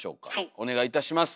お願いいたします。